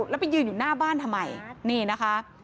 แล้วไปยืนอยู่หน้าบ้านทำไมนี่นะคะ